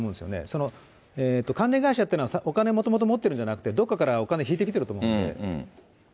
その関連会社っていうのは、お金もともと持ってるんじゃなくて、どっかからお金引いてきてると思うので。